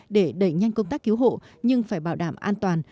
để đẩy nhanh công tác cứu hộ nhưng phải bảo đảm an toàn